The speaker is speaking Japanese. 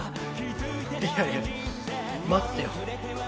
いやいやいや待ってよ。